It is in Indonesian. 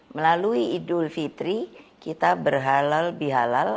melalui idul fitri kita berhalal bihalal